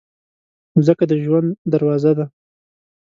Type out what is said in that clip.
مځکه د ژوند دروازه ده.